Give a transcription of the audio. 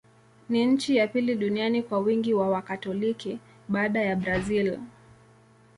Ni nchi ya pili duniani kwa wingi wa Wakatoliki, baada ya Brazil.